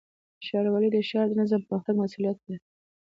ښاروالۍ د ښار د نظم او پرمختګ مسؤلیت لري.